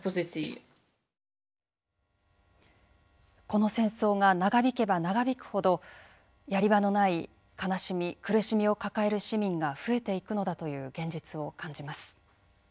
この戦争が長引けば長引くほどやり場のない悲しみ苦しみを抱える市民が増えていくのだという現実を感じます。